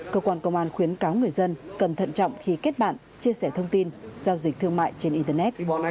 cơ quan công an khuyến cáo người dân cần thận trọng khi kết bạn chia sẻ thông tin giao dịch thương mại trên internet